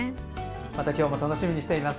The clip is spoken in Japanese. また今日も楽しみにしています。